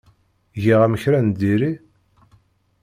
Giɣ-am kra n diri?